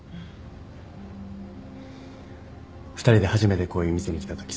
２人で初めてこういう店に来たときさ。